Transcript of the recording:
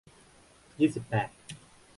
ยี่สิบแปด